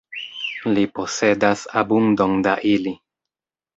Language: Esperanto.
Li posedas abundon da ili.